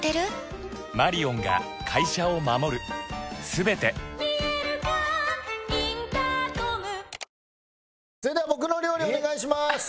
それでは僕の料理をお願いします。